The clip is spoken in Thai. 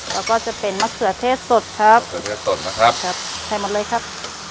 แล้วก็จะเป็นมะเขือเทศสดครับเขือเทศสดนะครับครับใส่หมดเลยครับ